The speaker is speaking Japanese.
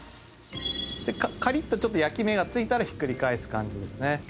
カリッと焼き目が付いたらひっくり返す感じですね。